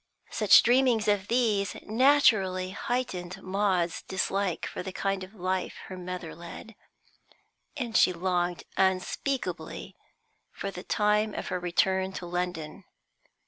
Such dreamings as these naturally heightened Maud's dislike for the kind of life her mother led, and she longed unspeakably for the time of her return to London.